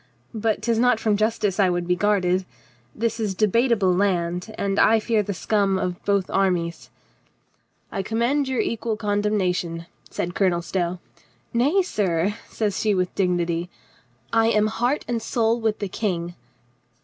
But 'tis not from justice I would be guarded. This is debatable land, and I fear the scum of both armies." LADY LEPE MEETS TWIN BRETHREN 1 1 "I commend your equal condemnation," said Colonel Stow. "Nay, sir," says she with dignity, "I am heart and soul with the King."